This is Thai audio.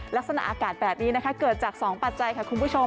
ลักษณะอากาศแบบนี้นะคะเกิดจาก๒ปัจจัยค่ะคุณผู้ชม